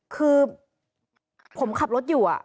คือผมขับรถอยู่